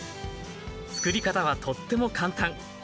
作り方はとっても簡単。